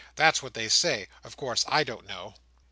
That's what they say. Of course, I don't know."